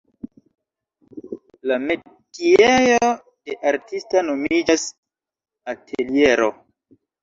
La metiejo de artista nomiĝas ateliero.